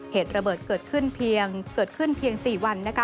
เหตุระเบิดเกิดขึ้นเพียง๔วัน